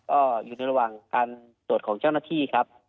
ก็อยู่ในระหว่างการตรวจของเจ้าหน้าที่ครับ